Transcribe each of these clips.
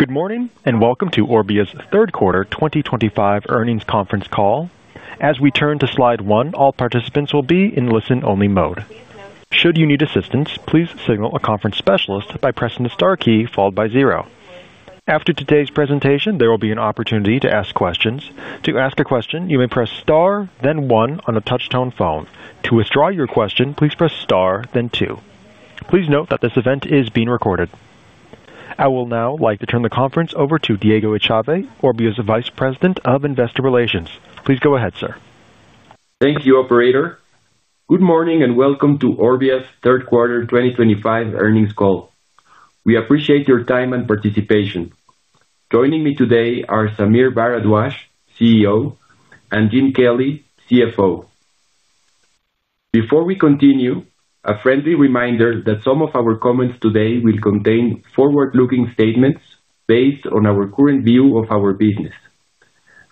Good morning and welcome to Orbia's third quarter 2025 earnings conference call. As we turn to slide one, all participants will be in listen-only mode. Should you need assistance, please signal a conference specialist by pressing the star key followed by zero. After today's presentation, there will be an opportunity to ask questions. To ask a question, you may press star, then one on a touch-tone phone. To withdraw your question, please press star, then two. Please note that this event is being recorded. I will now like to turn the conference over to Diego Echave, Orbia's Vice President of Investor Relations. Please go ahead, sir. Thank you, operator. Good morning and welcome to Orbia's third quarter 2025 earnings call. We appreciate your time and participation. Joining me today are Sameer S. Bharadwaj, CEO, and Jim Kelly, CFO. Before we continue, a friendly reminder that some of our comments today will contain forward-looking statements based on our current view of our business,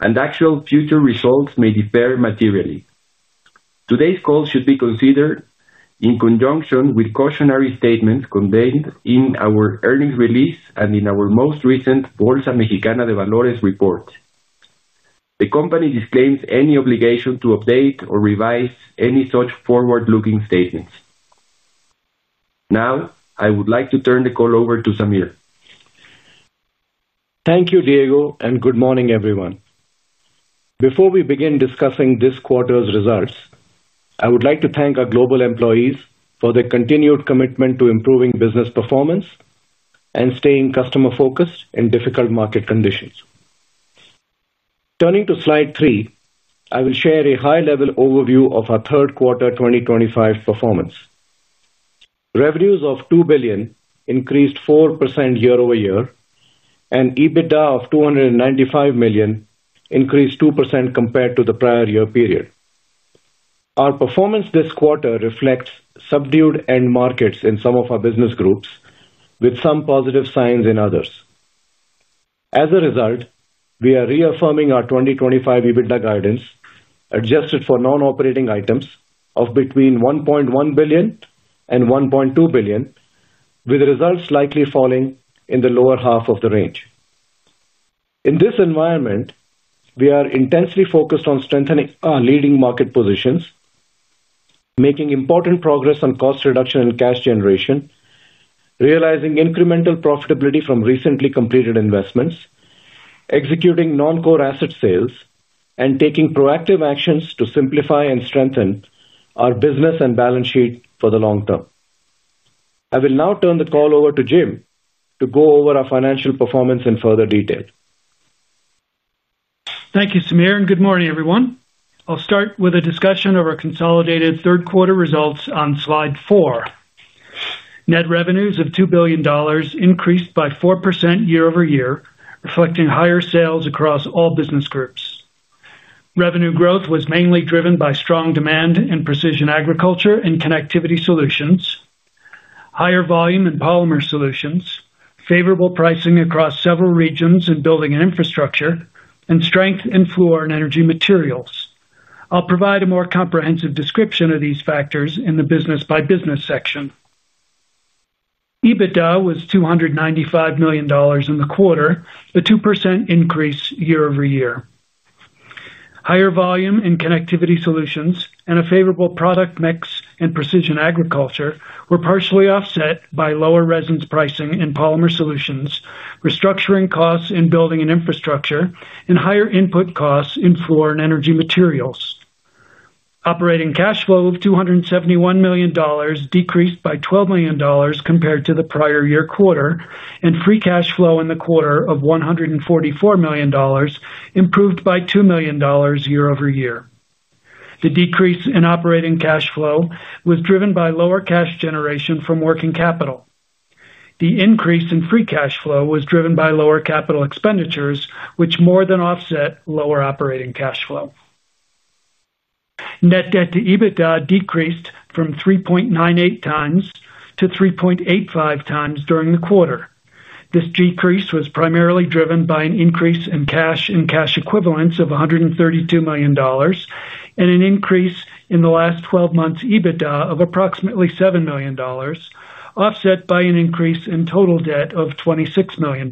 and actual future results may differ materially. Today's call should be considered in conjunction with cautionary statements contained in our earnings release and in our most recent Bolsa Mexicana de Valores report. The company disclaims any obligation to update or revise any such forward-looking statements. Now, I would like to turn the call over to Sameer. Thank you, Diego, and good morning, everyone. Before we begin discussing this quarter's results, I would like to thank our global employees for their continued commitment to improving business performance and staying customer-focused in difficult market conditions. Turning to slide three, I will share a high-level overview of our third quarter 2025 performance. Revenues of $2 billion increased 4% year over year, and EBITDA of $295 million increased 2% compared to the prior year period. Our performance this quarter reflects subdued end markets in some of our business groups, with some positive signs in others. As a result, we are reaffirming our 2025 EBITDA guidance, adjusted for non-operating items of between $1.1 billion and $1.2 billion, with results likely falling in the lower half of the range. In this environment, we are intensely focused on strengthening our leading market positions, making important progress on cost reduction and cash generation, realizing incremental profitability from recently completed investments, executing non-core asset sales, and taking proactive actions to simplify and strengthen our business and balance sheet for the long term. I will now turn the call over to Jim to go over our financial performance in further detail. Thank you, Sameer, and good morning, everyone. I'll start with a discussion of our consolidated third quarter results on slide four. Net revenues of $2 billion increased by 4% year over year, reflecting higher sales across all business groups. Revenue growth was mainly driven by strong demand in Precision Agriculture and Connectivity Solutions, higher volume in Polymer Solutions, favorable pricing across several regions in Building & Infrastructure, and strength in Fluor & Energy Materials. I'll provide a more comprehensive description of these factors in the business-by-business section. EBITDA was $295 million in the quarter, a 2% increase year over year. Higher volume in Connectivity Solutions and a favorable product mix in Precision Agriculture were partially offset by lower resin pricing in Polymer Solutions, restructuring costs in Building & Infrastructure, and higher input costs in Fluor & Energy Materials. Operating cash flow of $271 million decreased by $12 million compared to the prior year quarter, and free cash flow in the quarter of $144 million improved by $2 million year over year. The decrease in operating cash flow was driven by lower cash generation from working capital. The increase in free cash flow was driven by lower capital expenditures, which more than offset lower operating cash flow. Net debt to EBITDA decreased from 3.98 times to 3.85 times during the quarter. This decrease was primarily driven by an increase in cash and cash equivalents of $132 million and an increase in the last 12 months' EBITDA of approximately $7 million, offset by an increase in total debt of $26 million.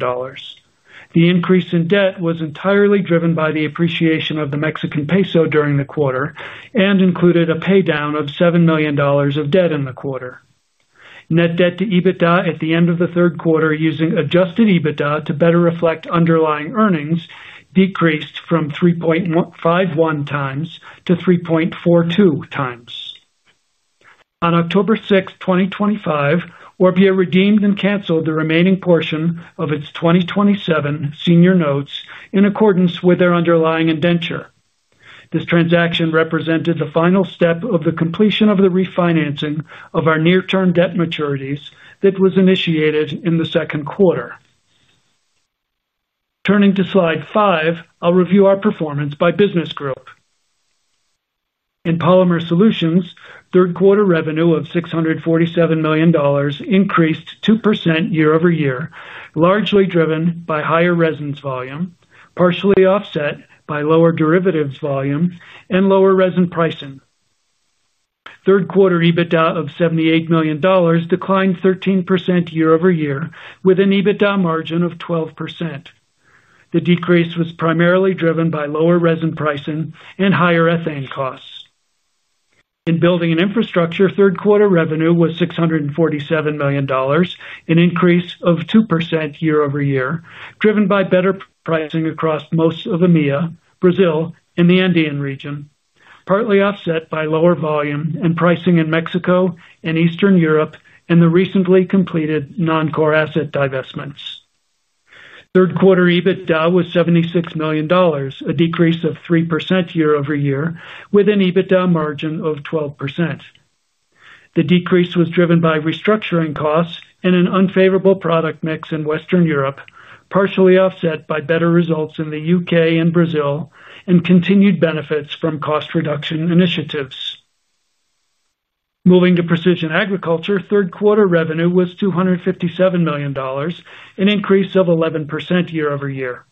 The increase in debt was entirely driven by the appreciation of the Mexican peso during the quarter and included a paydown of $7 million of debt in the quarter. Net debt to EBITDA at the end of the third quarter, using adjusted EBITDA to better reflect underlying earnings, decreased from 3.51 times to 3.42 times. On October 6, 2025, Orbia redeemed and canceled the remaining portion of its 2027 senior notes in accordance with their underlying indenture. This transaction represented the final step of the completion of the refinancing of our near-term debt maturities that was initiated in the second quarter. Turning to slide five, I'll review our performance by business group. In Polymer Solutions, third quarter revenue of $647 million increased 2% year over year, largely driven by higher resins volume, partially offset by lower derivatives volume and lower resin pricing. Third quarter EBITDA of $78 million declined 13% year over year with an EBITDA margin of 12%. The decrease was primarily driven by lower resin pricing and higher ethane costs. In Building & Infrastructure, third quarter revenue was $647 million, an increase of 2% year over year, driven by better pricing across most of the MIA, Brazil, and the Andean region, partly offset by lower volume and pricing in Mexico and Eastern Europe and the recently completed non-core asset divestments. Third quarter EBITDA was $76 million, a decrease of 3% year over year with an EBITDA margin of 12%. The decrease was driven by restructuring costs and an unfavorable product mix in Western Europe, partially offset by better results in the UK and Brazil and continued benefits from cost reduction initiatives. Moving to Precision Agriculture, third quarter revenue was $257 million, an increase of 11% year over year.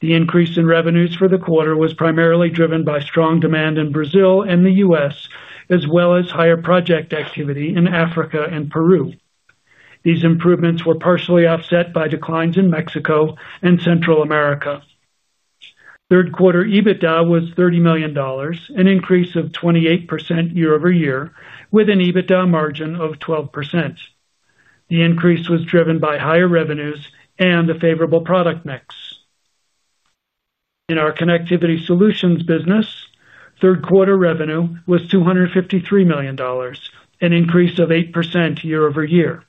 The increase in revenues for the quarter was primarily driven by strong demand in Brazil and the U.S., as well as higher project activity in Africa and Peru. These improvements were partially offset by declines in Mexico and Central America. Third quarter EBITDA was $30 million, an increase of 28% year over year with an EBITDA margin of 12%. The increase was driven by higher revenues and the favorable product mix. In our Connectivity Solutions business, third quarter revenue was $253 million, an increase of 8% year over year.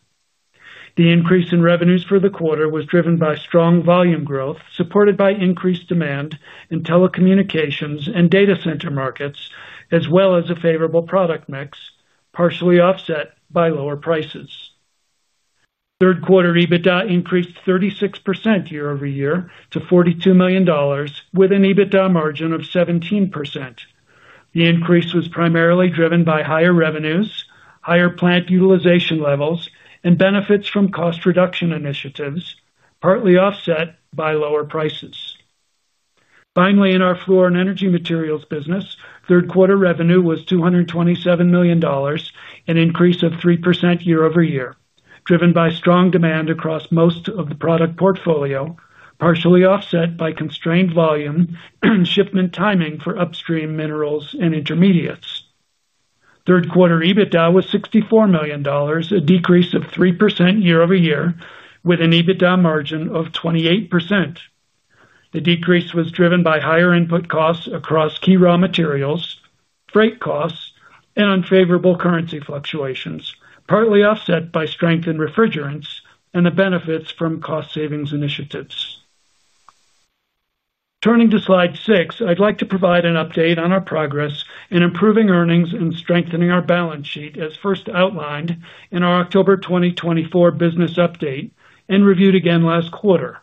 The increase in revenues for the quarter was driven by strong volume growth supported by increased demand in telecommunications and data center markets, as well as a favorable product mix partially offset by lower prices. Third quarter EBITDA increased 36% year over year to $42 million with an EBITDA margin of 17%. The increase was primarily driven by higher revenues, higher plant utilization levels, and benefits from cost reduction initiatives, partly offset by lower prices. Finally, in our Fluor & Energy Materials business, third quarter revenue was $227 million, an increase of 3% year over year, driven by strong demand across most of the product portfolio, partially offset by constrained volume and shipment timing for upstream minerals and intermediates. Third quarter EBITDA was $64 million, a decrease of 3% year over year with an EBITDA margin of 28%. The decrease was driven by higher input costs across key raw materials, freight costs, and unfavorable currency fluctuations, partly offset by strength in refrigerants and the benefits from cost savings initiatives. Turning to slide six, I'd like to provide an update on our progress in improving earnings and strengthening our balance sheet as first outlined in our October 2024 business update and reviewed again last quarter.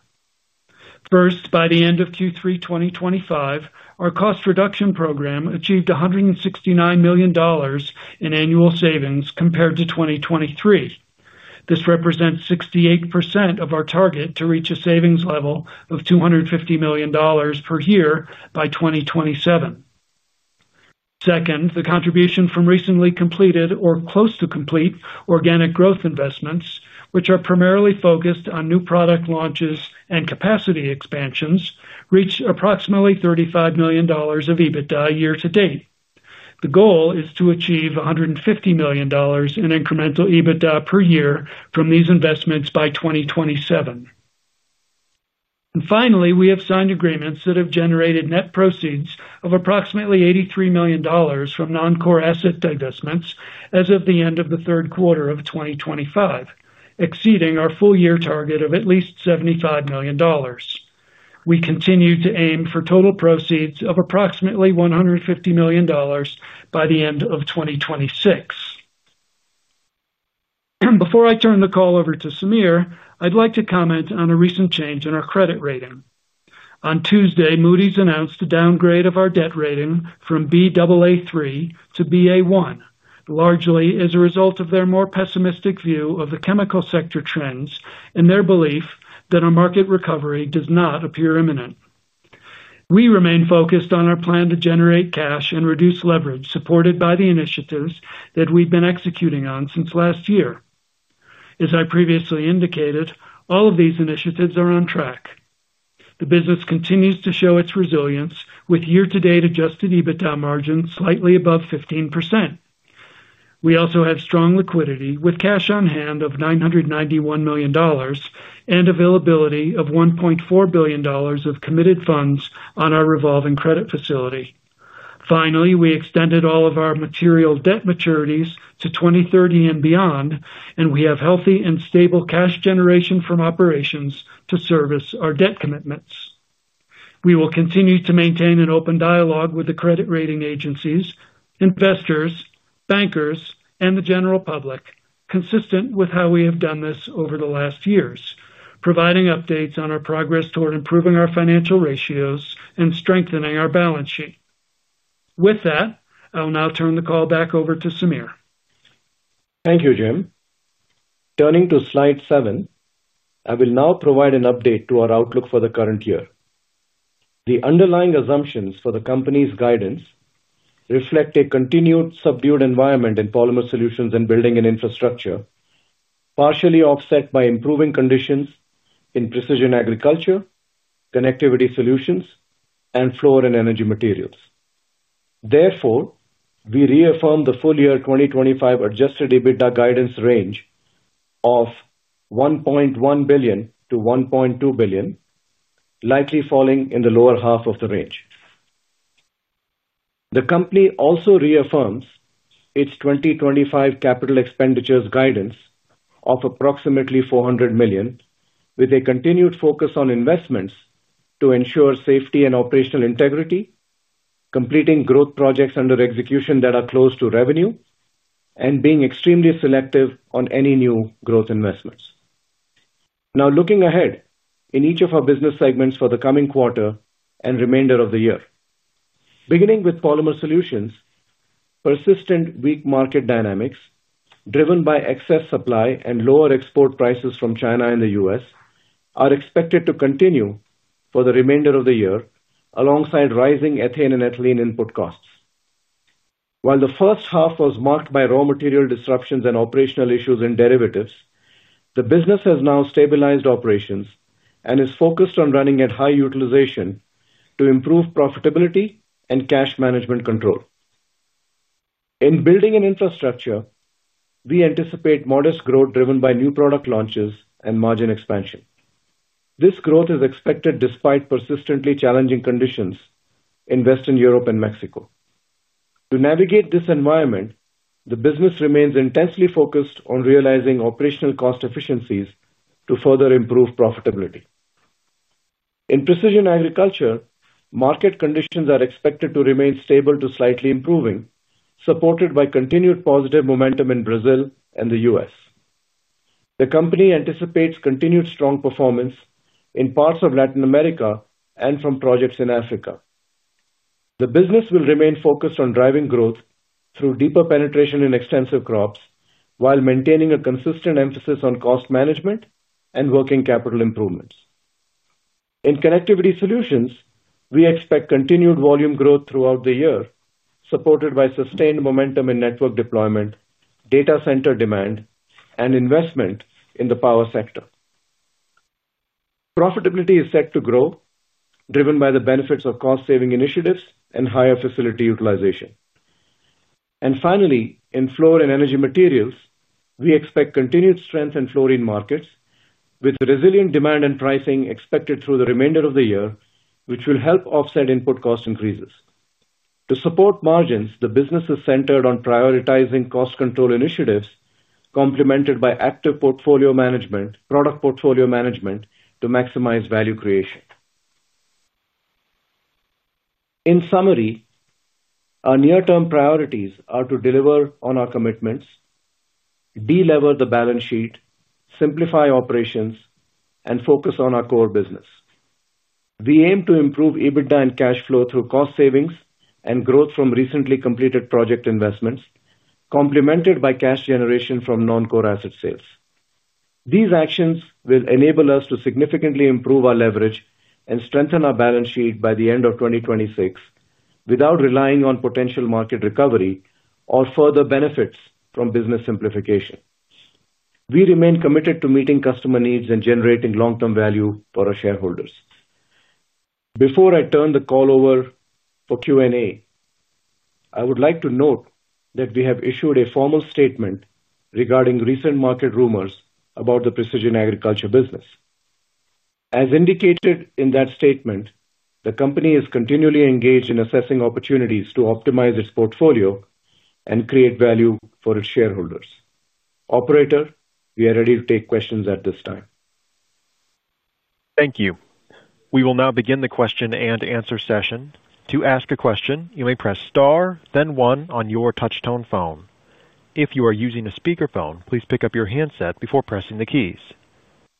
First, by the end of Q3 2025, our cost reduction program achieved $169 million in annual savings compared to 2023. This represents 68% of our target to reach a savings level of $250 million per year by 2027. Second, the contribution from recently completed or close to complete organic growth investments, which are primarily focused on new product launches and capacity expansions, reached approximately $35 million of EBITDA year to date. The goal is to achieve $150 million in incremental EBITDA per year from these investments by 2027. Finally, we have signed agreements that have generated net proceeds of approximately $83 million from non-core asset divestments as of the end of the third quarter of 2025, exceeding our full-year target of at least $75 million. We continue to aim for total proceeds of approximately $150 million by the end of 2026. Before I turn the call over to Sameer, I'd like to comment on a recent change in our credit rating. On Tuesday, Moody’s announced a downgrade of our debt rating from Baa3 to Ba1, largely as a result of their more pessimistic view of the chemical sector trends and their belief that a market recovery does not appear imminent. We remain focused on our plan to generate cash and reduce leverage supported by the initiatives that we've been executing on since last year. As I previously indicated, all of these initiatives are on track. The business continues to show its resilience with year-to-date adjusted EBITDA margins slightly above 15%. We also have strong liquidity with cash on hand of $991 million and availability of $1.4 billion of committed funds on our revolving credit facility. Finally, we extended all of our material debt maturities to 2030 and beyond, and we have healthy and stable cash generation from operations to service our debt commitments. We will continue to maintain an open dialogue with the credit rating agencies, investors, bankers, and the general public, consistent with how we have done this over the last years, providing updates on our progress toward improving our financial ratios and strengthening our balance sheet. With that, I will now turn the call back over to Sameer. Thank you, Jim. Turning to slide seven, I will now provide an update to our outlook for the current year. The underlying assumptions for the company's guidance reflect a continued subdued environment in Polymer Solutions and Building & Infrastructure, partially offset by improving conditions in Precision Agriculture, Connectivity Solutions, and Fluor & Energy Materials. Therefore, we reaffirm the full-year 2025 adjusted EBITDA guidance range of $1.1 billion to $1.2 billion, likely falling in the lower half of the range. The company also reaffirms its 2025 capital expenditures guidance of approximately $400 million, with a continued focus on investments to ensure safety and operational integrity, completing growth projects under execution that are close to revenue, and being extremely selective on any new growth investments. Now, looking ahead in each of our business segments for the coming quarter and remainder of the year, beginning with Polymer Solutions, persistent weak market dynamics driven by excess supply and lower export prices from China and the U.S. are expected to continue for the remainder of the year, alongside rising ethane and ethylene input costs. While the first half was marked by raw material disruptions and operational issues in derivatives, the business has now stabilized operations and is focused on running at high utilization to improve profitability and cash management control. In Building & Infrastructure, we anticipate modest growth driven by new product launches and margin expansion. This growth is expected despite persistently challenging conditions in Western Europe and Mexico. To navigate this environment, the business remains intensely focused on realizing operational cost efficiencies to further improve profitability. In Precision Agriculture, market conditions are expected to remain stable to slightly improving, supported by continued positive momentum in Brazil and the U.S. The company anticipates continued strong performance in parts of Latin America and from projects in Africa. The business will remain focused on driving growth through deeper penetration in extensive crops while maintaining a consistent emphasis on cost management and working capital improvements. In Connectivity Solutions, we expect continued volume growth throughout the year, supported by sustained momentum in network deployment, data center demand, and investment in the power sector. Profitability is set to grow, driven by the benefits of cost-saving initiatives and higher facility utilization. Finally, in Fluor & Energy Materials, we expect continued strength in flooring markets, with resilient demand and pricing expected through the remainder of the year, which will help offset input cost increases. To support margins, the business is centered on prioritizing cost control initiatives, complemented by active portfolio management, product portfolio management to maximize value creation. In summary, our near-term priorities are to deliver on our commitments, delever the balance sheet, simplify operations, and focus on our core business. We aim to improve EBITDA and cash flow through cost savings and growth from recently completed project investments, complemented by cash generation from non-core asset sales. These actions will enable us to significantly improve our leverage and strengthen our balance sheet by the end of 2026 without relying on potential market recovery or further benefits from business simplification. We remain committed to meeting customer needs and generating long-term value for our shareholders. Before I turn the call over for Q&A, I would like to note that we have issued a formal statement regarding recent market rumors about the Precision Agriculture business. As indicated in that statement, the company is continually engaged in assessing opportunities to optimize its portfolio and create value for its shareholders. Operator, we are ready to take questions at this time. Thank you. We will now begin the question and answer session. To ask a question, you may press star, then one on your touch-tone phone. If you are using a speaker phone, please pick up your handset before pressing the keys.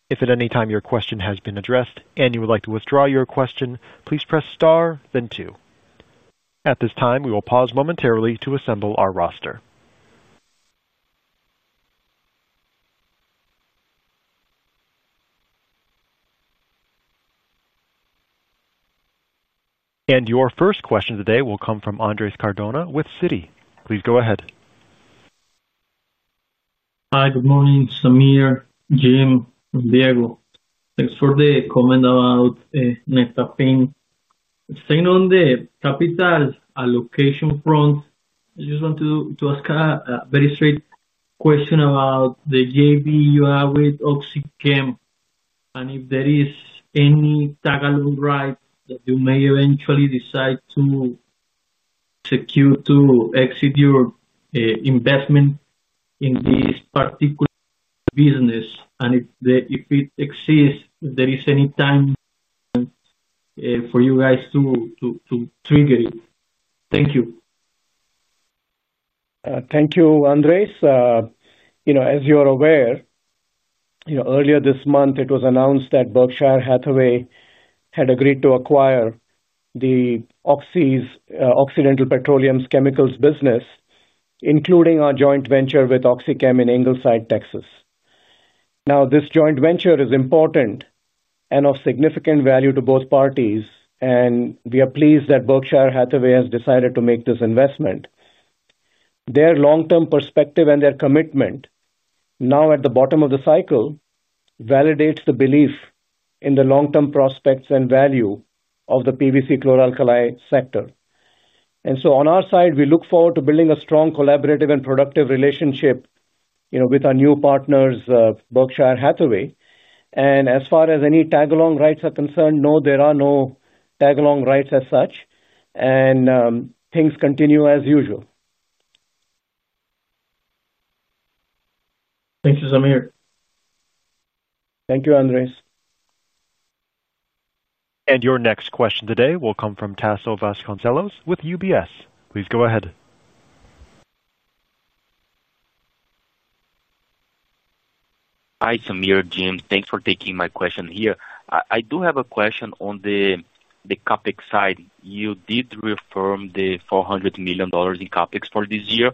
If at any time your question has been addressed and you would like to withdraw your question, please press star, then two. At this time, we will pause momentarily to assemble our roster. Your first question today will come from Andres Cardona with Citi. Please go ahead. Hi, good morning, Sameer, Jim, and Diego. Thanks for the comment about neck pain. Staying on the capital allocation front, I just want to ask a very straight question about the JV you have with OxyChem and if there is any tag-along right that you may eventually decide to execute to exit your investment in this particular business, and if it exists, if there is any time for you guys to trigger it. Thank you. Thank you, Andres. As you are aware, earlier this month, it was announced that Berkshire Hathaway had agreed to acquire Occidental Petroleum's chemicals business, including our joint venture with OxyChem in Ingleside, Texas. This joint venture is important and of significant value to both parties, and we are pleased that Berkshire Hathaway has decided to make this investment. Their long-term perspective and their commitment now at the bottom of the cycle validates the belief in the long-term prospects and value of the PVC chlor-alkali sector. We look forward to building a strong, collaborative, and productive relationship with our new partners, Berkshire Hathaway. As far as any tag-along rights are concerned, no, there are no tag-along rights as such, and things continue as usual. Thank you, Sameer. Thank you, Andres. Your next question today will come from Taso Vasconcelos with UBS. Please go ahead. Hi, Sameer, Jim. Thanks for taking my question here. I do have a question on the CAPEX side. You did reaffirm the $400 million in CAPEX for this year.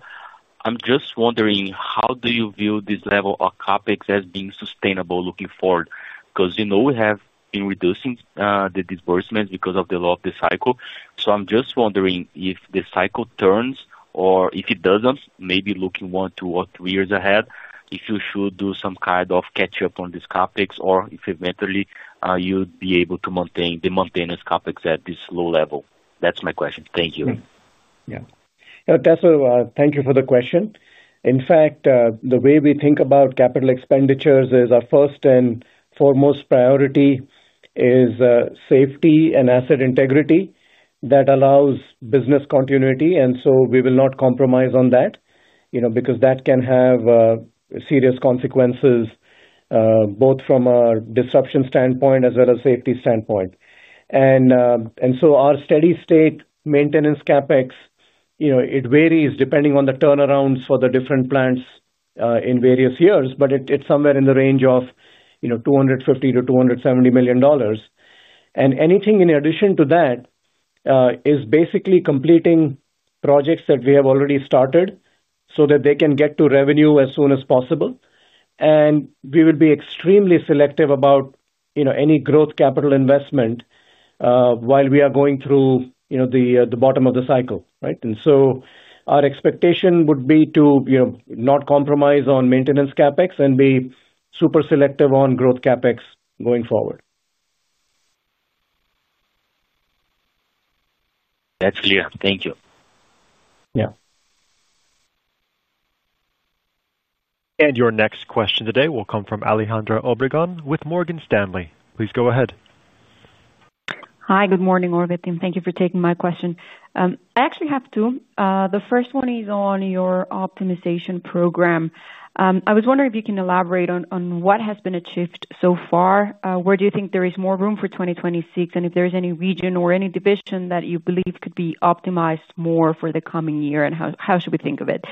I'm just wondering, how do you view this level of CAPEX as being sustainable looking forward? Because you know we have been reducing the disbursements because of the law of the cycle. I'm just wondering if the cycle turns or if it doesn't, maybe looking one, two, or three years ahead, if you should do some kind of catch-up on this CAPEX or if eventually you'd be able to maintain the maintenance CAPEX at this low level. That's my question. Thank you. Yeah. Taso, thank you for the question. In fact, the way we think about capital expenditures is our first and foremost priority is safety and asset integrity that allows business continuity. We will not compromise on that, you know, because that can have serious consequences, both from a disruption standpoint as well as a safety standpoint. Our steady state maintenance CAPEX, you know, it varies depending on the turnarounds for the different plants in various years, but it's somewhere in the range of $250 to $270 million. Anything in addition to that is basically completing projects that we have already started so that they can get to revenue as soon as possible. We would be extremely selective about, you know, any growth capital investment while we are going through, you know, the bottom of the cycle, right? Our expectation would be to, you know, not compromise on maintenance CAPEX and be super selective on growth CAPEX going forward. That's clear. Thank you. Yeah. Your next question today will come from Alejandra Obregon with Morgan Stanley. Please go ahead. Hi, good morning, Orbia. Thank you for taking my question. I actually have two. The first one is on your optimization program. I was wondering if you can elaborate on what has been achieved so far, where do you think there is more room for 2026, and if there is any region or any division that you believe could be optimized more for the coming year and how should we think of it?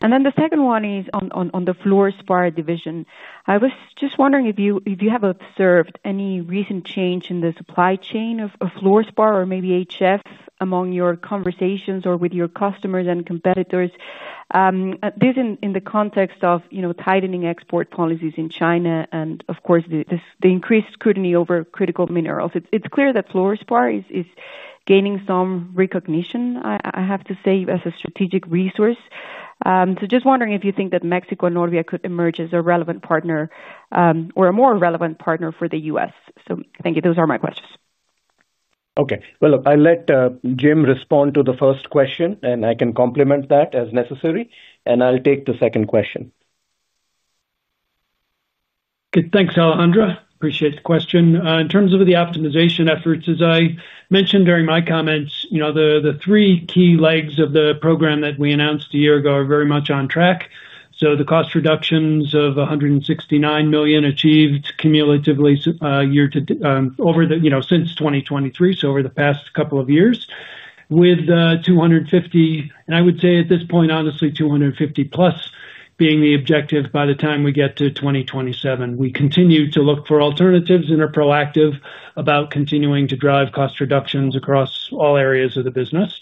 The second one is on the fluorspar division. I was just wondering if you have observed any recent change in the supply chain of fluorspar or maybe HF among your conversations or with your customers and competitors. This is in the context of tightening export policies in China and, of course, the increased scrutiny over critical minerals. It's clear that fluorspar is gaining some recognition, I have to say, as a strategic resource. Just wondering if you think that Mexico and Orbia could emerge as a relevant partner or a more relevant partner for the U.S. Thank you. Those are my questions. Okay. I'll let Jim respond to the first question, and I can complement that as necessary. I'll take the second question. Thanks, Alejandra. Appreciate the question. In terms of the optimization efforts, as I mentioned during my comments, the three key legs of the program that we announced a year ago are very much on track. The cost reductions of $169 million achieved cumulatively since 2023, so over the past couple of years, with the $250 million, and I would say at this point, honestly, $250 million plus being the objective by the time we get to 2027. We continue to look for alternatives and are proactive about continuing to drive cost reductions across all areas of the business.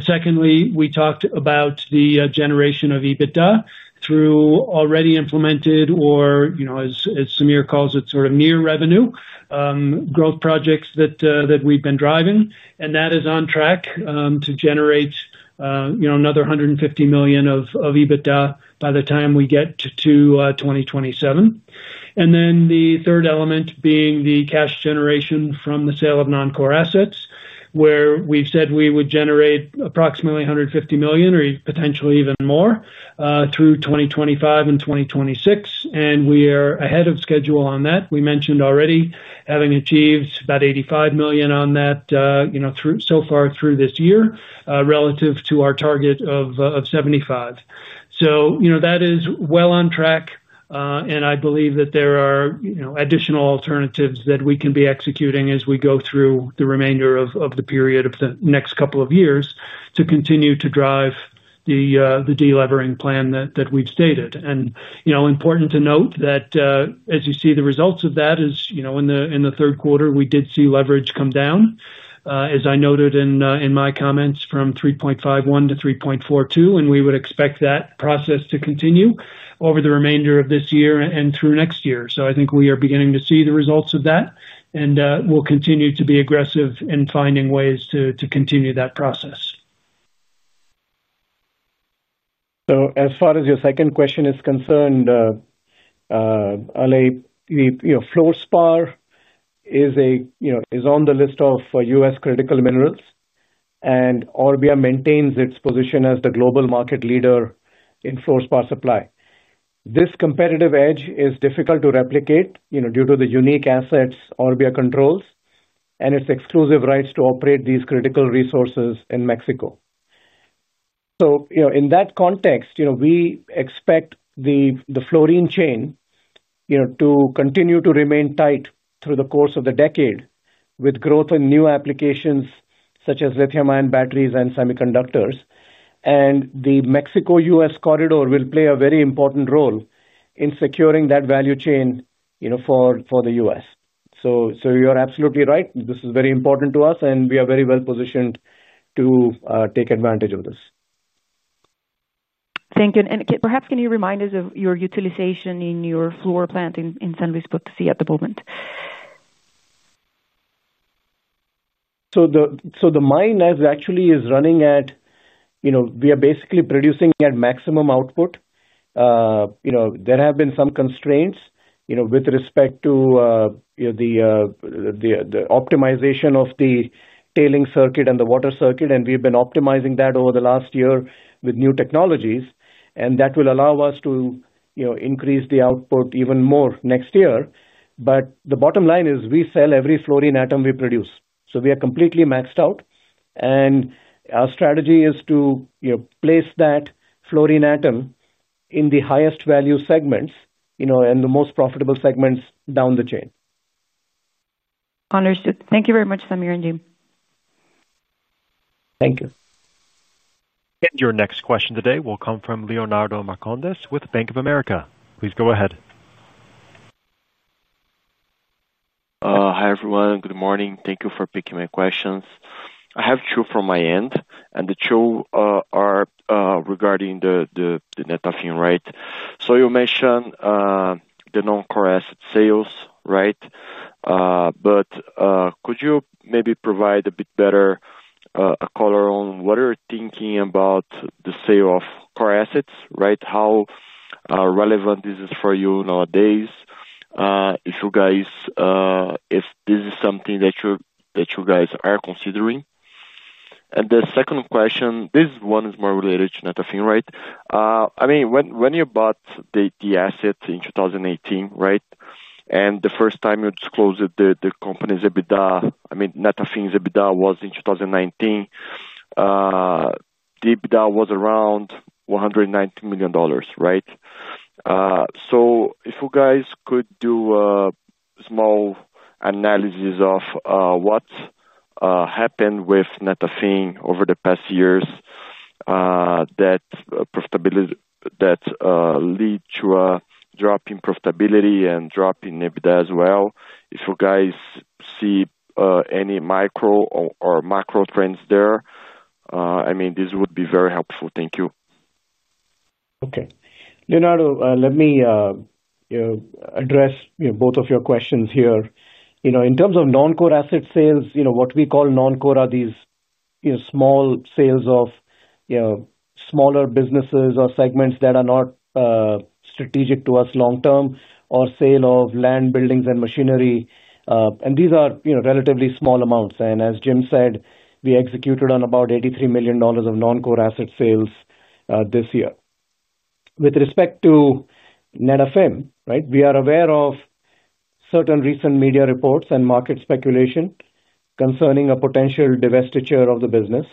Secondly, we talked about the generation of EBITDA through already implemented or, as Sameer calls it, sort of near-revenue growth projects that we've been driving. That is on track to generate another $150 million of EBITDA by the time we get to 2027. The third element is the cash generation from the sale of non-core assets, where we've said we would generate approximately $150 million or potentially even more through 2025 and 2026. We are ahead of schedule on that. We mentioned already having achieved about $85 million on that so far through this year relative to our target of $75 million. That is well on track. I believe that there are additional alternatives that we can be executing as we go through the remainder of the period of the next couple of years to continue to drive the delevering plan that we've stated. It is important to note that as you see the results of that, in the third quarter, we did see leverage come down, as I noted in my comments, from 3.51 to 3.42. We would expect that process to continue over the remainder of this year and through next year. I think we are beginning to see the results of that and will continue to be aggressive in finding ways to continue that process. As far as your second question is concerned, Ale, your fluorspar is on the list of U.S. critical minerals, and Orbia maintains its position as the global market leader in fluorspar supply. This competitive edge is difficult to replicate due to the unique assets Orbia controls and its exclusive rights to operate these critical resources in Mexico. In that context, we expect the fluorine chain to continue to remain tight through the course of the decade with growth in new applications such as lithium-ion batteries and semiconductors. The Mexico-U.S. corridor will play a very important role in securing that value chain for the U.S. You're absolutely right. This is very important to us, and we are very well positioned to take advantage of this. Thank you. Perhaps can you remind us of your utilization in your fluor plant in San Luis Potosi at the moment? The mine actually is running at, you know, we are basically producing at maximum output. There have been some constraints, you know, with respect to, you know, the optimization of the tailing circuit and the water circuit. We've been optimizing that over the last year with new technologies. That will allow us to, you know, increase the output even more next year. The bottom line is we sell every fluorspar atom we produce. We are completely maxed out. Our strategy is to, you know, place that fluorspar atom in the highest value segments, you know, and the most profitable segments down the chain. Understood. Thank you very much, Sameer and Jim. Thank you. Your next question today will come from Leonardo Marcondes with Bank of America. Please go ahead. Hi, everyone. Good morning. Thank you for picking my questions. I have two from my end. The two are regarding Netafim, right? You mentioned the non-core asset sales, right? Could you maybe provide a bit better color on what you're thinking about the sale of core assets, right? How relevant is this for you nowadays? If this is something that you guys are considering. The second question, this one is more related to Netafim, right? I mean, when you bought the assets in 2018, right? The first time you disclosed the company's EBITDA, I mean, Netafim's EBITDA was in 2019. The EBITDA was around $119 million, right? If you guys could do a small analysis of what happened with Netafim over the past years that lead to a drop in profitability and drop in EBITDA as well. If you guys see any micro or macro trends there, I mean, this would be very helpful. Thank you. Okay. Leonardo, let me address both of your questions here. In terms of non-core asset sales, what we call non-core are these small sales of smaller businesses or segments that are not strategic to us long term, or sale of land, buildings, and machinery. These are relatively small amounts. As Jim said, we executed on about $83 million of non-core asset sales this year. With respect to Netafim, we are aware of certain recent media reports and market speculation concerning a potential divestiture of the business.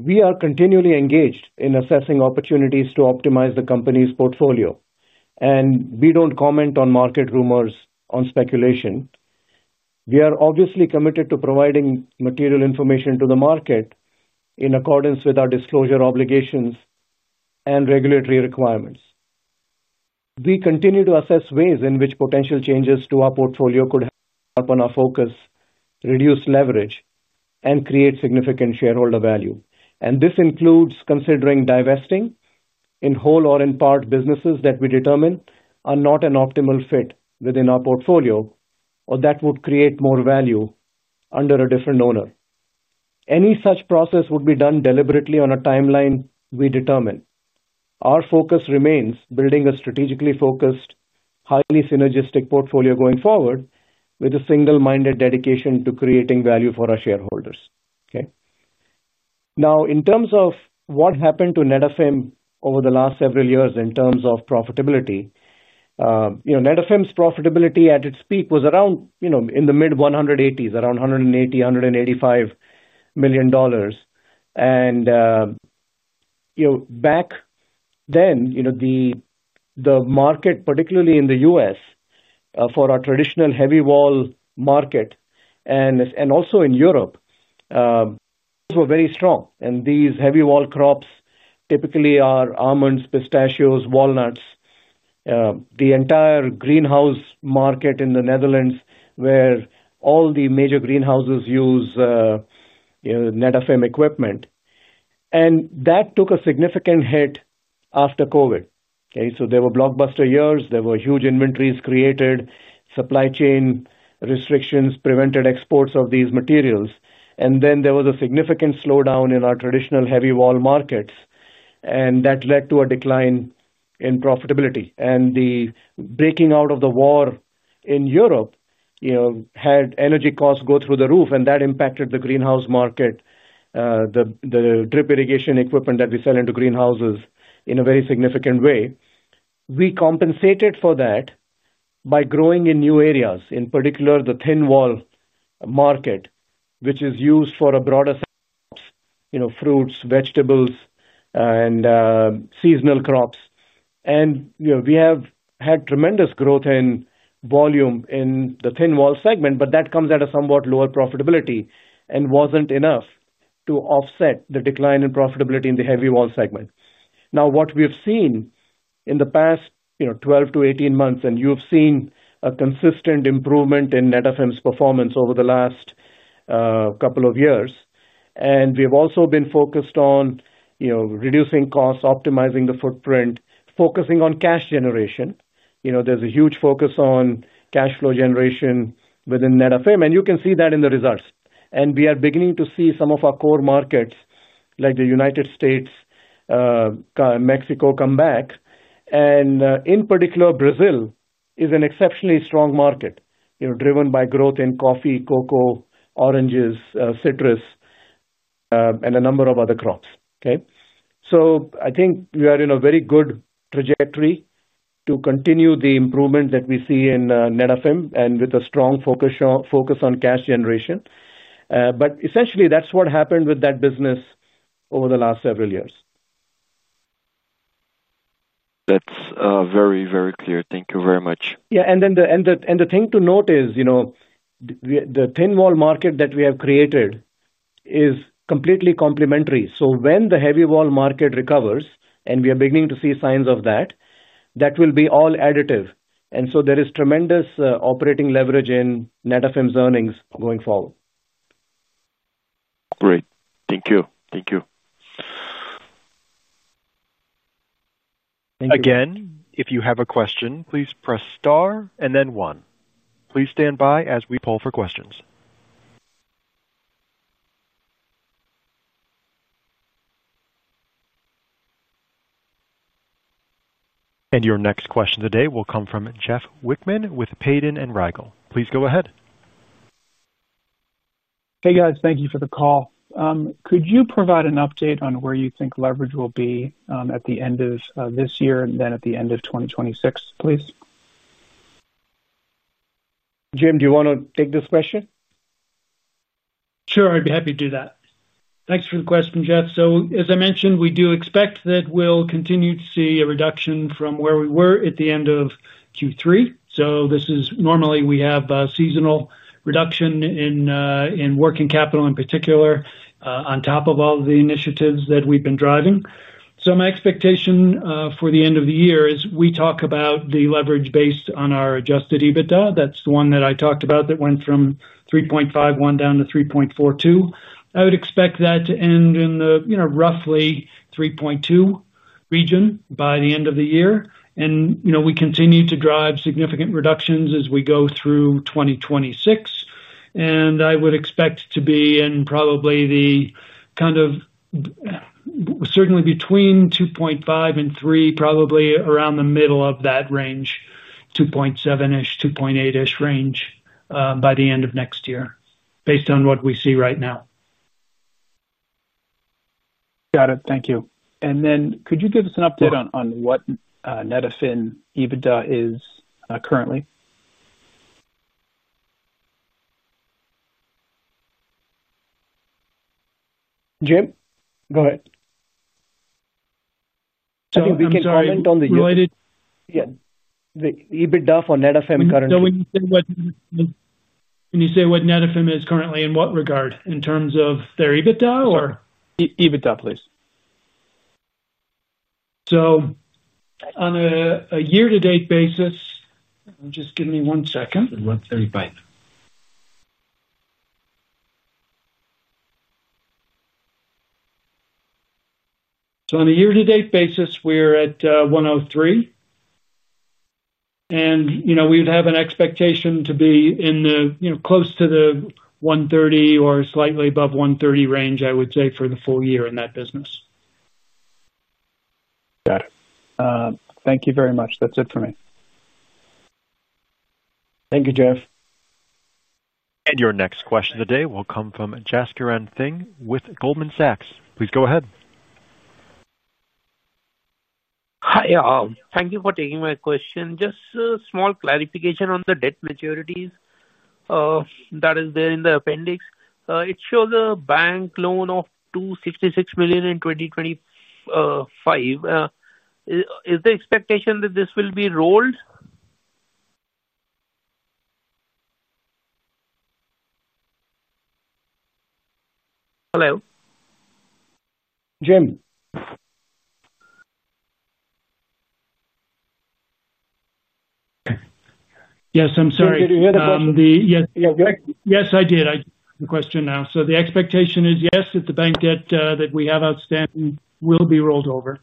We are continually engaged in assessing opportunities to optimize the company's portfolio. We don't comment on market rumors or speculation. We are obviously committed to providing material information to the market in accordance with our disclosure obligations and regulatory requirements. We continue to assess ways in which potential changes to our portfolio could help on our focus, reduce leverage, and create significant shareholder value. This includes considering divesting in whole or in part businesses that we determine are not an optimal fit within our portfolio or that would create more value under a different owner. Any such process would be done deliberately on a timeline we determine. Our focus remains building a strategically focused, highly synergistic portfolio going forward with a single-minded dedication to creating value for our shareholders. Now, in terms of what happened to Netafim over the last several years in terms of profitability, Netafim's profitability at its peak was around, you know, in the mid-180s, around $180, $185 million. Back then, the market, particularly in the U.S. for our traditional heavy wall market and also in Europe, were very strong. These heavy wall crops typically are almonds, pistachios, walnuts, the entire greenhouse market in the Netherlands where all the major greenhouses use Netafim equipment. That took a significant hit after COVID. There were blockbuster years. There were huge inventories created, supply chain restrictions prevented exports of these materials. There was a significant slowdown in our traditional heavy wall markets. That led to a decline in profitability. The breaking out of the war in Europe, you know, had energy costs go through the roof, and that impacted the greenhouse market, the drip irrigation equipment that we sell into greenhouses in a very significant way. We compensated for that by growing in new areas, in particular the thin-wall market, which is used for a broader set, you know, fruits, vegetables, and seasonal crops. We have had tremendous growth in volume in the thin-wall segment, but that comes at a somewhat lower profitability and wasn't enough to offset the decline in profitability in the heavy-wall segment. What we have seen in the past 12 to 18 months, you've seen a consistent improvement in Netafim's performance over the last couple of years. We have also been focused on, you know, reducing costs, optimizing the footprint, focusing on cash generation. There's a huge focus on cash flow generation within Netafim, and you can see that in the results. We are beginning to see some of our core markets like the United States, Mexico come back. In particular, Brazil is an exceptionally strong market, you know, driven by growth in coffee, cocoa, oranges, citrus, and a number of other crops. I think we are in a very good trajectory to continue the improvement that we see in Netafim and with a strong focus on cash generation. Essentially, that's what happened with that business over the last several years. That's very, very clear. Thank you very much. Yeah. The thing to note is, you know, the thin-wall market that we have created is completely complementary. When the heavy-wall market recovers, and we are beginning to see signs of that, that will be all additive. There is tremendous operating leverage in Netafim's earnings going forward. Great. Thank you. Thank you. Thank you. If you have a question, please press star and then one. Please stand by as we call for questions. Your next question today will come from Jeff Wickman with Payden and Rygel. Please go ahead. Hey, guys. Thank you for the call. Could you provide an update on where you think leverage will be at the end of this year and then at the end of 2026, please? Jim, do you want to take this question? Sure. I'd be happy to do that. Thanks for the question, Jeff. As I mentioned, we do expect that we'll continue to see a reduction from where we were at the end of Q3. This is normally when we have a seasonal reduction in working capital in particular on top of all of the initiatives that we've been driving. My expectation for the end of the year is we talk about the leverage based on our adjusted EBITDA. That's the one that I talked about that went from 3.51 down to 3.42. I would expect that to end in the, you know, roughly 3.2 region by the end of the year. We continue to drive significant reductions as we go through 2026. I would expect to be in probably the kind of certainly between 2.5 and 3, probably around the middle of that range, 2.7-ish, 2.8-ish range by the end of next year based on what we see right now. Got it. Thank you. Could you give us an update on what Netafim EBITDA is currently? Jim? Go ahead. We can comment on the. Yeah. The EBITDA for Netafim currently. When you say what net of in is currently in what regard? In terms of their EBITDA or? EBITDA, please. On a year-to-date basis, just give me one second. It's at $135 now. On a year-to-date basis, we're at 103. We would have an expectation to be in the close to 130 or slightly above 130 range, I would say, for the full year in that business. Got it. Thank you very much. That's it for me. Thank you, Jeff. Your next question today will come from Jaskuran Singh with Goldman Sachs. Please go ahead. Hi. Thank you for taking my question. Just a small clarification on the debt maturities that is there in the appendix. It shows a bank loan of $266 million in 2025. Is the expectation that this will be rolled? Hello? Jim? Yes, I'm sorry. Did you hear the question? Yes. Yeah, go ahead. Yes, I did. I did hear the question now. The expectation is, yes, that the bank debt that we have outstanding will be rolled over.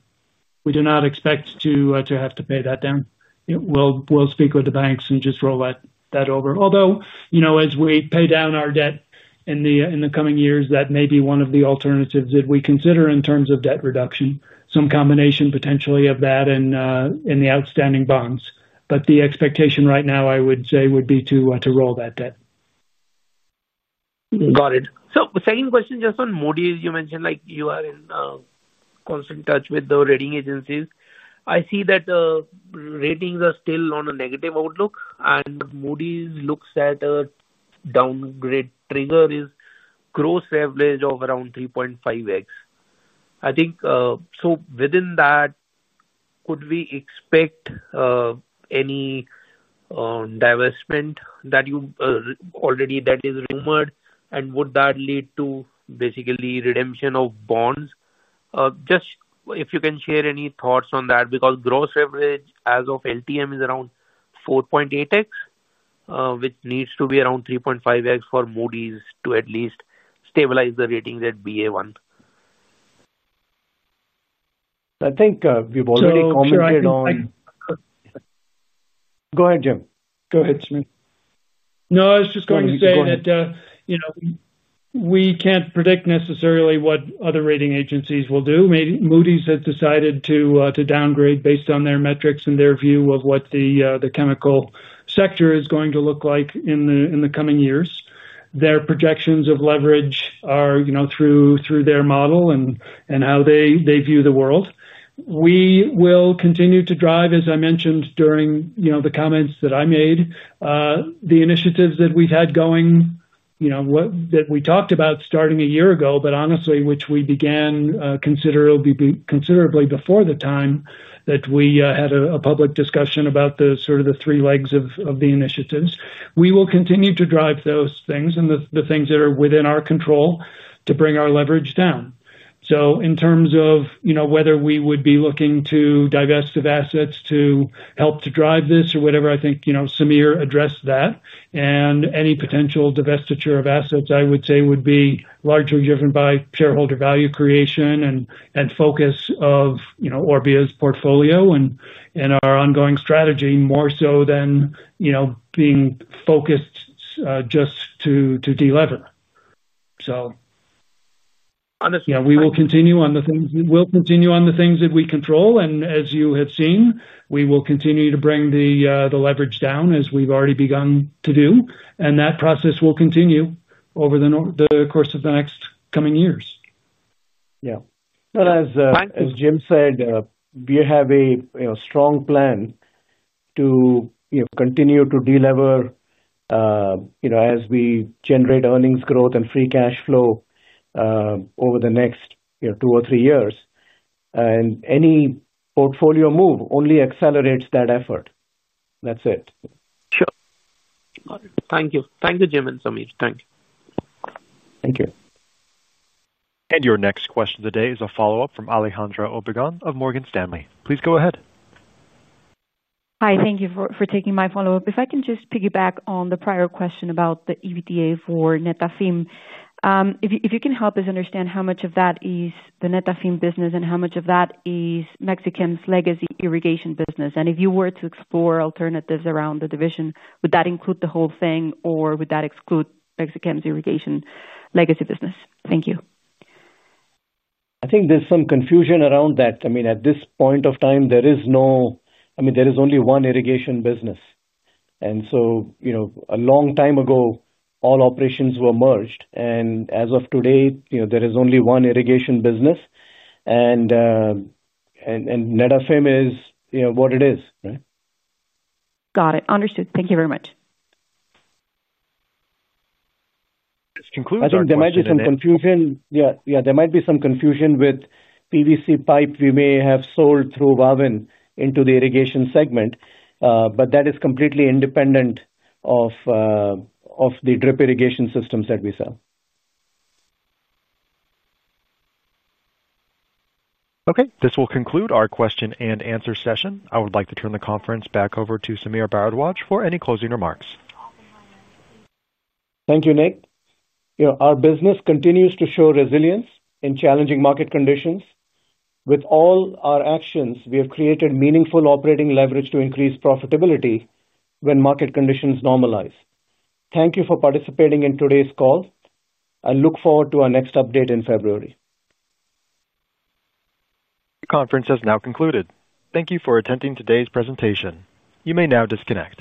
We do not expect to have to pay that down. We'll speak with the banks and just roll that over. Although, as we pay down our debt in the coming years, that may be one of the alternatives that we consider in terms of debt reduction, some combination potentially of that and the outstanding bonds. The expectation right now, I would say, would be to roll that debt. Got it. The second question, just on Moody’s, you mentioned you are in constant touch with the rating agencies. I see that the ratings are still on a negative outlook, and Moody’s looks at a downgrade trigger as gross average of around 3.5x. Within that, could we expect any divestment that is already rumored? Would that lead to basically redemption of bonds? If you can share any thoughts on that, because gross average as of LTM is around 4.8x, which needs to be around 3.5x for Moody’s to at least stabilize the ratings at BA1. I think we've already commented on. Go ahead, Jim. Go ahead, Sameer. I was just going to say that we can't predict necessarily what other rating agencies will do. Moody’s has decided to downgrade based on their metrics and their view of what the chemical sector is going to look like in the coming years. Their projections of leverage are through their model and how they view the world. We will continue to drive, as I mentioned during the comments that I made, the initiatives that we've had going that we talked about starting a year ago, but honestly, which we began considerably before the time that we had a public discussion about the sort of the three legs of the initiatives. We will continue to drive those things and the things that are within our control to bring our leverage down. In terms of whether we would be looking to divest assets to help to drive this or whatever, I think Sameer addressed that. Any potential divestiture of assets, I would say, would be largely driven by shareholder value creation and focus of Orbia's portfolio and our ongoing strategy, more so than being focused just to deliver. We will continue on the things that we control. As you have seen, we will continue to bring the leverage down as we've already begun to do. That process will continue over the course of the next coming years. As Jim said, we have a strong plan to continue to deliver as we generate earnings growth and free cash flow over the next two or three years. Any portfolio move only accelerates that effort. That's it. Sure. Got it. Thank you. Thank you, Jim and Sameer. Thank you. Thank you. Your next question today is a follow-up from Alejandra Obregon of Morgan Stanley. Please go ahead. Hi. Thank you for taking my follow-up. If I can just piggyback on the prior question about the EBITDA for Netafim, if you can help us understand how much of that is the Netafim business and how much of that is Mexichem's legacy irrigation business. If you were to explore alternatives around the division, would that include the whole thing or would that exclude Mexichem's irrigation legacy business? Thank you. I think there's some confusion around that. At this point of time, there is no, I mean, there is only one irrigation business. A long time ago, all operations were merged. As of today, there is only one irrigation business, and Netafim is, you know, what it is, right? Got it. Understood. Thank you very much. I think there might be some confusion. There might be some confusion with PVC pipe we may have sold through Wavin into the irrigation segment, but that is completely independent of the drip irrigation systems that we sell. Okay. This will conclude our question and answer session. I would like to turn the conference back over to Sameer S. Bharadwaj for any closing remarks. Thank you, Nick. You know, our business continues to show resilience in challenging market conditions. With all our actions, we have created meaningful operating leverage to increase profitability when market conditions normalize. Thank you for participating in today's call. I look forward to our next update in February. The conference has now concluded. Thank you for attending today's presentation. You may now disconnect.